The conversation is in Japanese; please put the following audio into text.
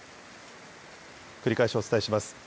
繰り返しお伝えします。